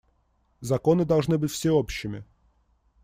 Законы должны быть всеобщими.